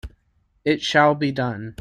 It shall be done!